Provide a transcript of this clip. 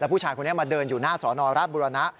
ผู้ชายคนนี้มาเดินอยู่หน้าสอนอราชบุรณะ